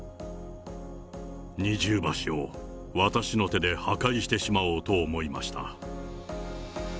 二重橋を私の手で破壊してしまおうと思いました。